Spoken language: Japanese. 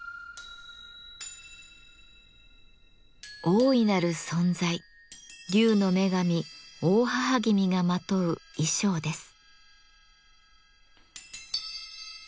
大いなる存在竜の女神・大妣君がまとう衣装です。